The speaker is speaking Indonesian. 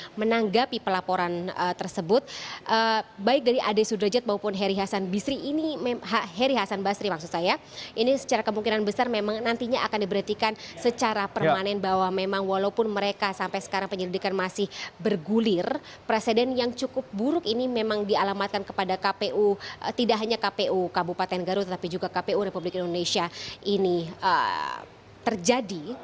dan juga dkpp menanggapi pelaporan tersebut baik dari ade sudrajat maupun heri hasan bisri ini heri hasan basri maksud saya ini secara kemungkinan besar memang nantinya akan diberhentikan secara permanen bahwa memang walaupun mereka sampai sekarang penyelidikan masih bergulir presiden yang cukup buruk ini memang dialamatkan kepada kpu tidak hanya kpu kabupaten garut tapi juga kpu republik indonesia ini terjadi